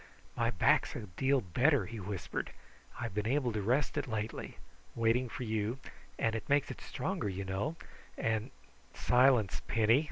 "My back's a deal better," he whispered. "I've been able to rest it lately waiting for you, and it makes it stronger, you know, and " "Silence, Penny!"